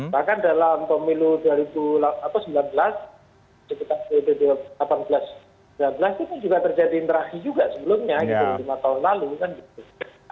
bahkan dalam pemilu dua ribu sembilan belas dua ribu delapan belas dua ribu sembilan belas itu kan juga terjadi interaksi juga sebelumnya lima tahun lalu kan gitu